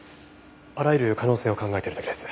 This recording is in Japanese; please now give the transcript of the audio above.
あらゆる可能性を考えてるだけです。